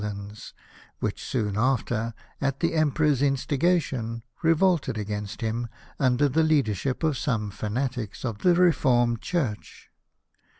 lands, which soon after, at the Emperor's in stigation, revolted against him under the leadership of some fanatics of the Reformed Church.